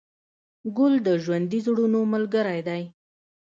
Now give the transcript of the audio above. ګل د ژوندي زړونو ملګری دی.